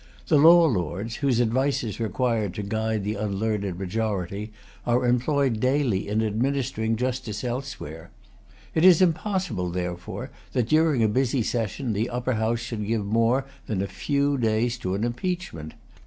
The law lords, whose advice is required to guide the unlearned majority, are employed daily in administering justice elsewhere. It is impossible, therefore, that during a busy session, the Upper House should give more than a[Pg 231] few days to an impeachment.